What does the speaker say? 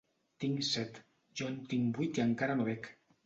Tinc set / —Jo en tinc vuit i encara no bec.